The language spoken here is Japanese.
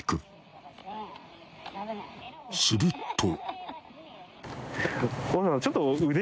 ［すると］